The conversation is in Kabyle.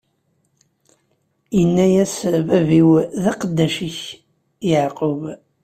Ini-yas: Bab-iw, d aqeddac-ik Yeɛqub.